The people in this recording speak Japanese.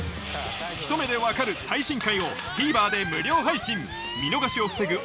『ひと目でわかる‼』最新回をＴＶｅｒで無料配信見逃しを防ぐ